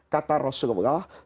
kata rasulullah saw